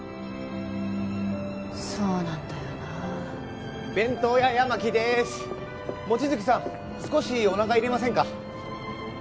そうなんだよな弁当屋八巻です望月さん少しおなか入れませんか？